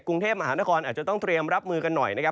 กรุงเทพมหานครอาจจะต้องเตรียมรับมือกันหน่อยนะครับ